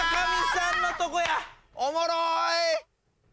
おもろい！